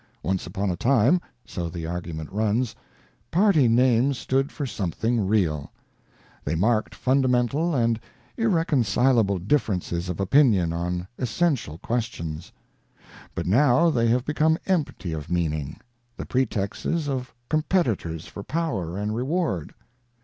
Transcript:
Once upon a time (so the argument runs) Party names stood for something real ; they marked fundamental and irreconcilable differences of opinion on essential questions. But now they have become empty of meaning, the pretexts of competitors for power and reward.